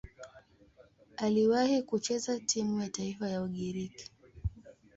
Aliwahi kucheza timu ya taifa ya Ugiriki.